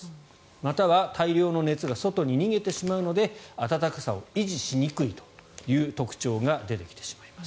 または大量の熱が外に逃げてしまうので暖かさを維持しにくいという特徴が出てきてしまいます。